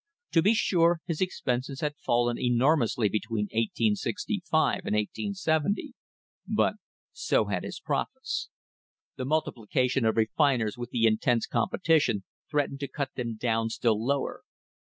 To be sure his expenses had fallen enormously between 1865 and 1870, but so had his profits. The multiplication of refiners with the intense com petition threatened to cut them down still lower.